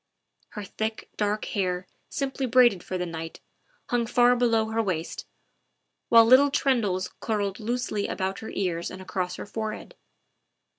Her thick, dark hair, simply braided for the night, hung far below her waist, while little tendrils curled loosely about her ears and across her forehead.